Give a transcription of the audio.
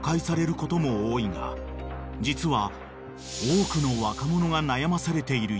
［実は］